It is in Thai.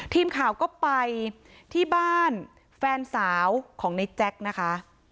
ทีมข่าวก็ไปที่บ้านแฟนสาวของในแจ๊กนะคะ